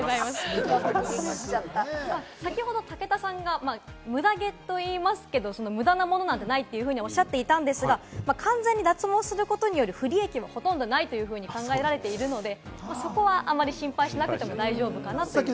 先ほど武田さんがムダ毛と言いますけど、無駄なものなんてないとおっしゃっていたんですが、完全に脱毛することによる不利益もほとんどないというふうに考えられているので、そこはあまり心配しなくても大丈夫かなということです。